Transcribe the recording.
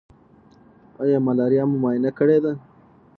ایا ملاریا مو معاینه کړې ده؟